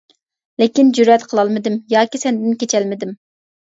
لېكىن جۈرئەت قىلالمىدىم، ياكى سەندىن كېچەلمىدىم.